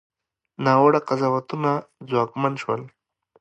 ناوړه قضاوتونه ځواکمن شول.